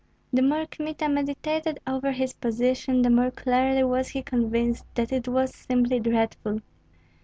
The more Kmita meditated over his position, the more clearly was he convinced that it was simply dreadful.